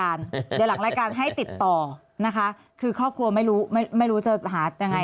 อ่างี้เดี๋ยวหลังรายการให้ติดต่อค่ะคือครอบครัวไม่รู้จะหาแล้วยังไง